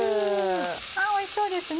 あおいしそうですね。